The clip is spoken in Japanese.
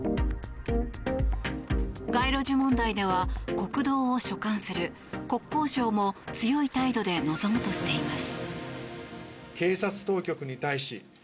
街路樹問題では国道を所管する国交省も強い態度で臨むとしています。